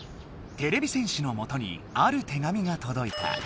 てれび戦士のもとにある手紙が届いた。